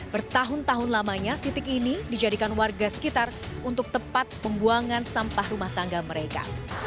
bertahun tahun lamanya titik ini dijadikan warga sekitar untuk tempat pembuangan sampah rumah tangga mereka